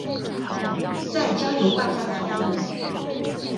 再交由大家討論